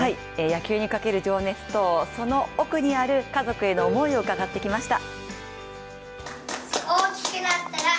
野球にかける情熱とその奥にある家族への思いを伺ってきました。